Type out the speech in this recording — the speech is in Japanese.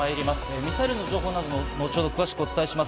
ミサイルの情報などは、後ほど詳しくお伝えします。